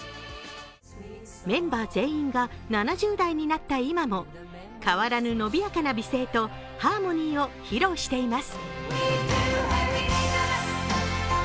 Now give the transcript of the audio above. メンバー全員が７０代になった今も変わらぬ伸びやかな美声とハーモニーを披露しています。